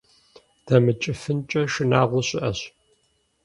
ДэмыкӀыфынкӀэ шынагъуэ щыӀэщ.